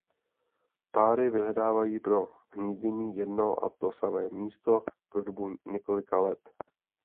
Páry vyhledávají pro hnízdění jedno a to samé místo po dobu několika let.